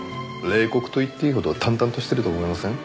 冷酷と言っていいほど淡々としてると思いません？